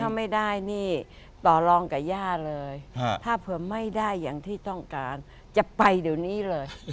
ถ้าไม่ได้นี่ต่อรองกับย่าเลยถ้าเผื่อไม่ได้อย่างที่ต้องการจะไปเดี๋ยวนี้เลย